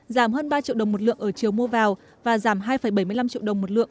giảm hơn ba triệu đồng một lượng ở chiều mua vào và giảm hai bảy mươi năm triệu đồng một lượng